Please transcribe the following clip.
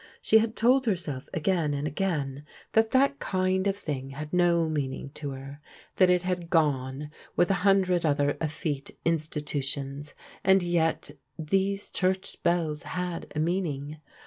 She had told herself again and again that that kind of thing had no meaning to her, that it had gone with a hundred other effete institutions; and yet these church bells had a meaning.